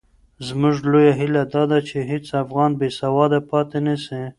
زموږ لویه هیله دا ده چې هېڅ افغان بې سواده پاتې نه سي.